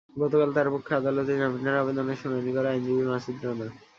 গতকাল তাঁর পক্ষে আদালতে জামিনের আবেদনের শুনানি করেন আইনজীবী মাসুদ রানা।